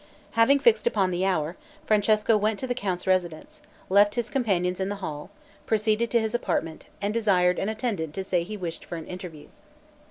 Having fixed upon the hour, Francesco went to the count's residence, left his companions in the hall, proceeded to his apartment, and desired an attendant to say he wished for an interview.